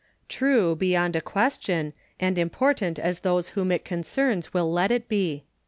True, beyond a question, and important as those whom it concerns will let it be.